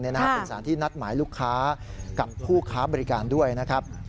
เป็นสารที่นัดหมายลูกค้ากับผู้ค้าบริการด้วยนะครับ